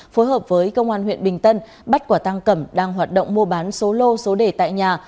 phối hợp với công an huyện bình tân bắt quả tăng cẩm đang hoạt động mua bán số lô số đề tại nhà